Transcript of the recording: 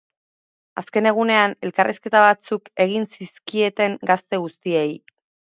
Azken egunean, elkarrizketa batzuk egin zizkieten gazte guztiei.